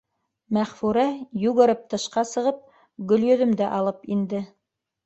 Мәғфүрә, йүгереп тышҡа сығып, Гөлйөҙөмдө алып инде.